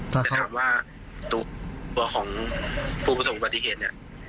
แต่ถามว่าตัวของผู้ประสบอุบัติเหตุเนี่ย